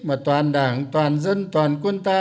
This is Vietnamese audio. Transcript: mà toàn đảng toàn dân toàn quân ta